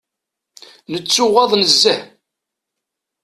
Nettuɣaḍ nezzeh.